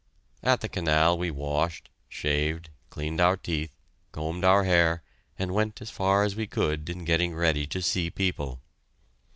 At the canal we washed, shaved, cleaned our teeth, combed our hair, and went as far as we could in getting ready to see people.